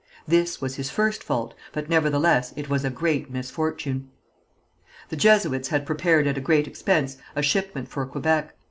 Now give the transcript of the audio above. This was his first fault, but nevertheless it was a great misfortune. The Jesuits had prepared at a great expense a shipment for Quebec.